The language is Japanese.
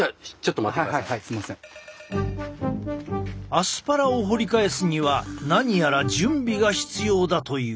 アスパラを掘り返すには何やら準備が必要だという。